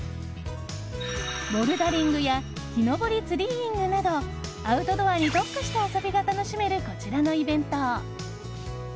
ボルダリングや木登りツリーイングなどアウトドアに特化した遊びが楽しめるこちらのイベント。